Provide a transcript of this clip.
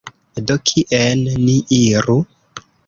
Do, kien ni iru?